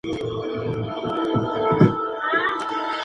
Si usted escucha mis anteriores B-sides, escuchará este disco.